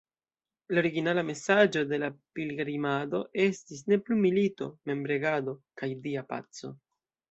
La originala mesaĝo de la pilgrimado estis "Ne plu milito", "Memregado" kaj "Dia paco".